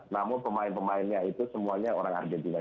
namun pemain pemainnya itu semuanya orang argentina